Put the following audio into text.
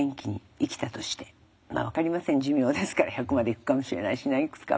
分かりません寿命ですから１００まで行くかもしれないしいくつか。